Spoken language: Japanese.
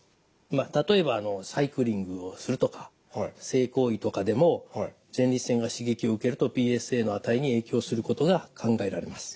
例えばサイクリングをするとか性行為とかでも前立腺が刺激を受けるとＰＳＡの値に影響することが考えられます。